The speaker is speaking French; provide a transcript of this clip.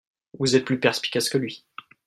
Vous êtes plus perspicace que lui.